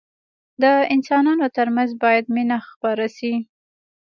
د انسانانو ترمنځ باید مينه خپره سي.